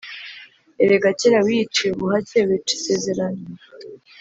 Erega kera wiyiciye ubuhake wica isezerano.